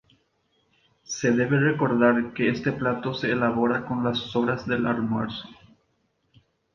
Se debe recordar que este plato se elaboraba con las sobras del almuerzo.